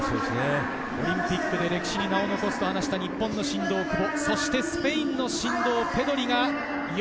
オリンピックで歴史に名を残すと話した日本の神童・久保。